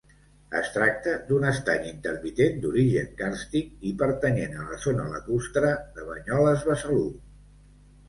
Es tracta d'un estany intermitent, d'origen càrstic, i pertanyent a la zona lacustre de Banyoles-Besalú.